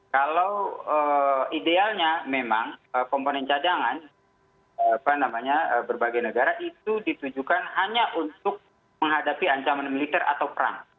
kalau idealnya memang komponen cadangan berbagai negara itu ditujukan hanya untuk menghadapi ancaman militer atau perang